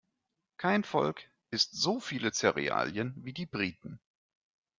Kein Volk isst so viele Zerealien wie die Briten.